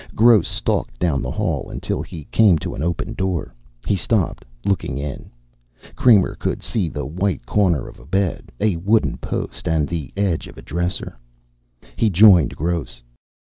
Gross stalked down the hall until he came to an open door. He stopped, looking in. Kramer could see the white corner of a bed, a wooden post and the edge of a dresser. He joined Gross.